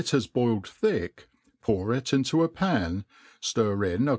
has thick, pour it into a pan, ftir in a.